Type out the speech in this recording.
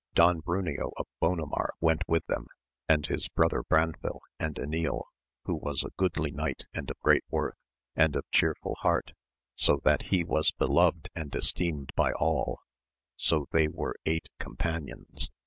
Don Bruneo of Bonamar went with them, and his brother Branfil, and Enil, who was a goodly knight and of great worth, and of chearful heart, so that he was beloved and esteemed by all, so they were eight companions.